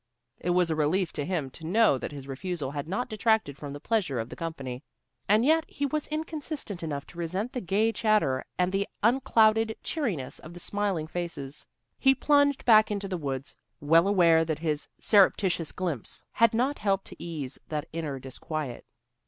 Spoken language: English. It was a relief to him to know that his refusal had not detracted from the pleasure of the company, and yet he was inconsistent enough to resent the gay chatter and the unclouded cheeriness of the smiling faces. He plunged back into the woods, well aware that his surreptitious glimpse had not helped to ease that inner disquiet.